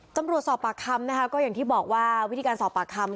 สอบปากคำนะคะก็อย่างที่บอกว่าวิธีการสอบปากคำ